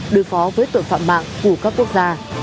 đối phó với tội phạm mạng của các quốc gia